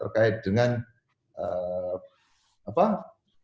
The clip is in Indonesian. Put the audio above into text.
pengaturan tindakan kepala